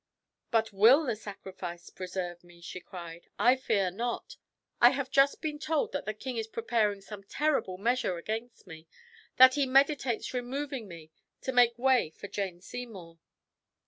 "But will the sacrifice preserve me?" she cried. "I fear not. I have just been told that the king is preparing some terrible measure against me that he meditates removing me, to make way for Jane Seymour."